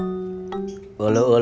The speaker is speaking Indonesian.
ini tak dikasih abah saya